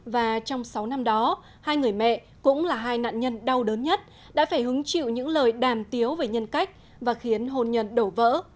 và trong sáu năm đó hai người mẹ cũng là hai nạn nhân đau đớn nhất đã phải hứng chịu những lời đàn tiếu về nhân cách và khiến hôn nhân đổ vỡ